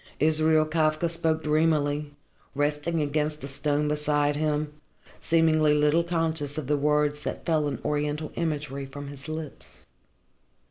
Israel Kafka spoke dreamily, resting against the stone beside him, seemingly little conscious of the words that fell in oriental imagery from his lips.